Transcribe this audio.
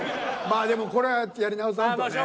まあでもこれはやり直さんとね。